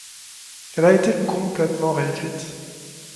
Elle a été complètement réécrite.